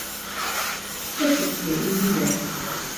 Toto je jejich výběr.